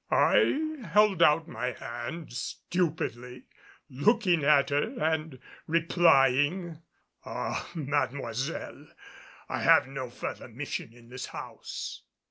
I held out my hand stupidly, looking at her and replying, "Ah, Mademoiselle, I have no further mission in this house."